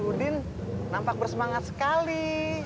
udin nampak bersemangat sekali